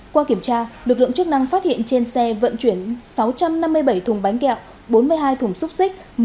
qua kiểm tra lực lượng chức năng phát hiện trên xe vận chuyển sáu trăm năm mươi bảy thùng bánh kẹo bốn mươi hai thùng xúc xích